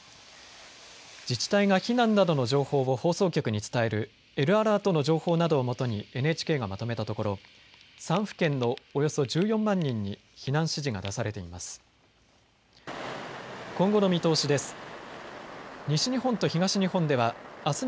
自治体が避難などの情報を放送局に伝えるＬアラートの情報などをもとにＮＨＫがまとめたところ３府県のおよそ１４万人に避難指示が出されています。